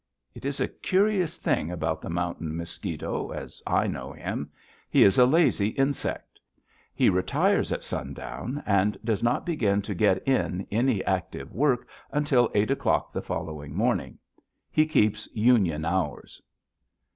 It is a curious thing about the mountain mosquito as I know him. He is a lazy insect. He retires at sundown and does not begin to get in any active work until eight o'clock the following morning. He keeps union hours.